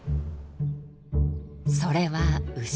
それは牛。